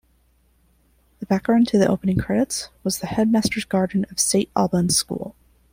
The background to the opening credits was the headmaster's garden of Saint Albans School.